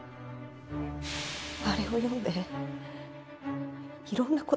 あれを読んでいろんな事がわかった。